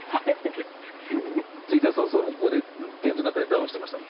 着いた早々もうここでテントの中でダウンしてました。